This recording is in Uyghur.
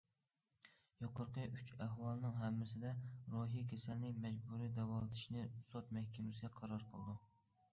يۇقىرىقى ئۈچ ئەھۋالنىڭ ھەممىسىدە روھىي كېسەلنى مەجبۇرىي داۋالىتىشنى سوت مەھكىمىسى قارار قىلىدۇ.